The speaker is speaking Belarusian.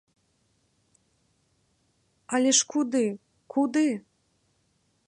Але ж куды, куды?